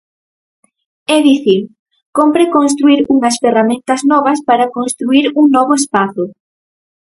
É dicir, cómpre construír unhas ferramentas novas para construír un novo espazo.